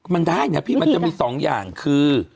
มันได้นะพี่มันจะมีสองอย่างคือ